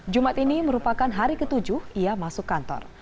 jumat ini merupakan hari ketujuh ia masuk kantor